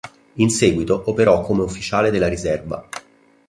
In seguito operò come ufficiale della riserva.